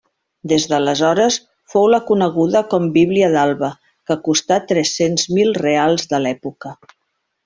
Des d'aleshores, fou la coneguda com Bíblia d'Alba, que costà tres-cents mil reals de l'època.